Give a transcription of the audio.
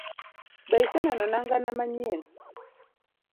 Be iseneno nanga na manyien?